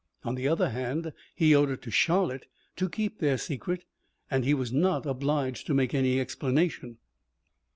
On the other hand, he owed it to Charlotte to keep their secret and he was not obliged to make any explanation.